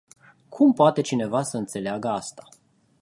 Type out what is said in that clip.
Cum poate cineva să înțeleagă asta?